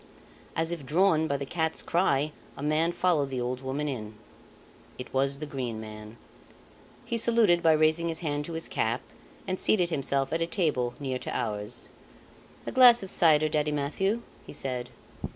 As if drawn by the cat's cry a man followed the old woman in. It was the Green Man. He saluted by raising his hand to his cap and seated himself at a table near to ours. "A glass of cider, Daddy Mathieu," he said.